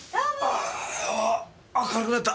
ああ軽くなった。